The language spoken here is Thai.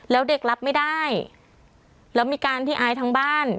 แล้วเด็กรับไม่ได้แล้วมีการที่อายทั้งบ้าน